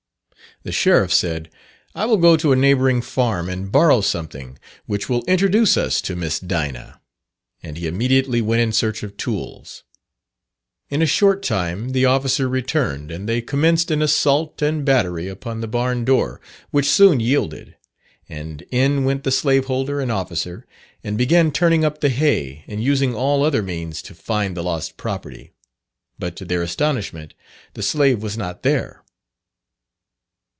The sheriff said, "I will go to a neighbouring farm and borrow something which will introduce us to Miss Dinah;" and he immediately went in search of tools. In a short time the officer returned, and they commenced an assault and battery upon the barn door, which soon yielded; and in went the slaveholder and officer, and began turning up the hay and using all other means to find the lost property; but, to their astonishment, the slave was not there.